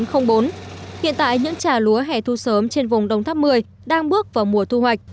hiện tại những trà lúa hè thu sớm trên vùng đồng thấp một mươi đang bước vào mùa thu hoạch